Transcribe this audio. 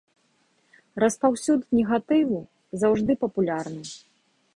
Распаўсюд негатыву заўжды папулярны.